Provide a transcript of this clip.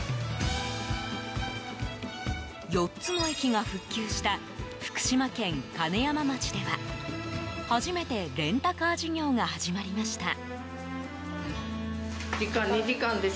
４つの駅が復旧した福島県金山町では初めてレンタカー事業が始まりました。